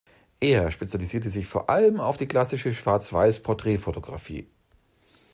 Er spezialisierte sich vor allem auf die klassische Schwarzweiß-Porträtfotografie.